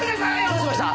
どうしました？